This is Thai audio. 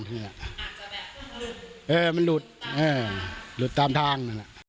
หลุดตามทาง